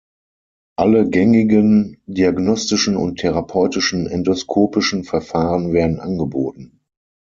Alle gängigen diagnostischen und therapeutischen endoskopischen Verfahren werden angeboten.